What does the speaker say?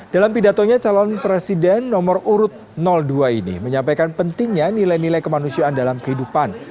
dalam pidatonya calon presiden nomor urut dua ini menyampaikan pentingnya nilai nilai kemanusiaan dalam kehidupan